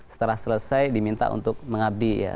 setelah selesai diminta untuk mengabdi ya